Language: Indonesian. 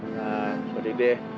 nah sudah deh